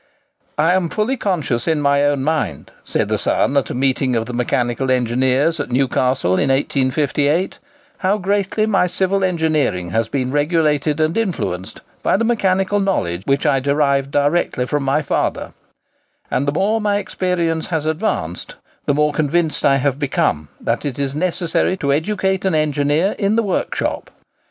"I am fully conscious in my own mind," said the son at a meeting of the Mechanical Engineers at Newcastle, in 1858, "how greatly my civil engineering has been regulated and influenced by the mechanical knowledge which I derived directly from my father; and the more my experience has advanced, the more convinced I have become that it is necessary to educate an engineer in the workshop.